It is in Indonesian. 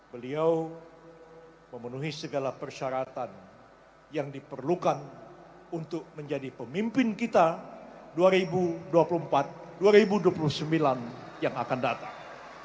beliau memenuhi segala persyaratan yang diperlukan untuk menjadi pemimpin kita dua ribu dua puluh empat dua ribu dua puluh sembilan yang akan datang